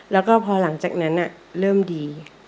แล้วก็พอหลังจากนั้นเริ่มดี